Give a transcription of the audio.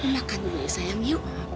makan dulu ya sayang yuk